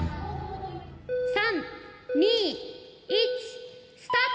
３２１スタート！